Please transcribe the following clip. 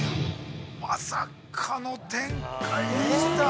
◆まさかの展開でした。